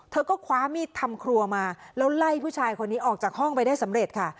เธอก็คว้ามีดทำครัวมาแล้วไล่ผู้ชายคนนี้ออกจากห้องไปได้สำเร็จค่ะ